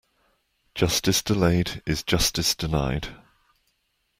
Justice delayed is justice denied.